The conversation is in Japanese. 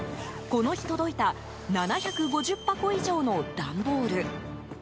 この日届いた７５０箱以上の段ボール。